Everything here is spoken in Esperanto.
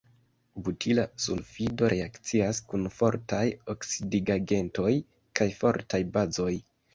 Butila sulfido reakcias kun fortaj oksidigagentoj kaj fortaj bazoj.